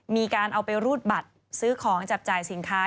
มีการเอาไปรูดบัตรซื้อของจับจ่ายสินค้า